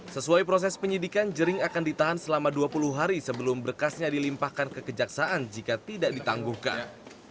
sesuai proses penyidikan jering akan ditahan selama dua puluh hari sebelum berkasnya dilimpahkan ke kejaksaan jika tidak ditangguhkan